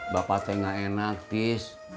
bapak teh gak enak tis